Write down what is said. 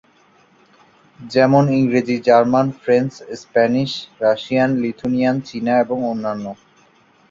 যেমন- ইংরেজি, German, French, Spanish, Russian, Lithuanian, চীনা এবং অন্যান্য।